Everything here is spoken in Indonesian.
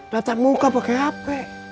datang muka pakai hp